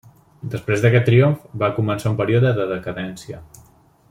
Després d'aquest triomf va començar un període de decadència.